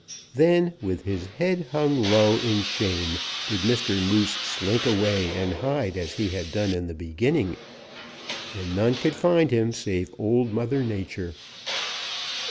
"Then, with his head hung low in shame, did Mr. Moose slink away and hide as he had done in the beginning, and none could find him save Old Mother Nature.